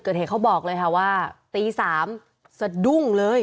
ก็เห็นเขาบอกเลยฮะว่าตีสามสะดุ้งเลย